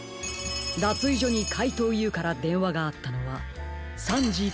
だついじょにかいとうＵからでんわがあったのは３じきっかり。